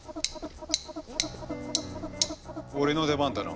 俺の出番だな。